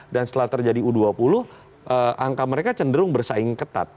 dan setelah terjadi u dua puluh angka mereka cenderung bersaing ketat